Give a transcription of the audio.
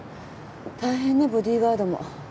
大変ねボディーガードも。